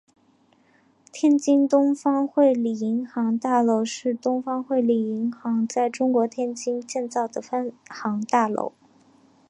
天津东方汇理银行大楼是东方汇理银行在中国天津建造的分行大楼。